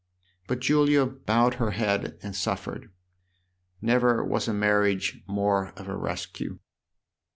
But Julia bowed her head and suffered. Never was a mar riage more of a rescue."